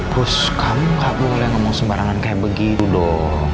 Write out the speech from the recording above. terus kamu kamu boleh ngomong sembarangan kayak begitu dong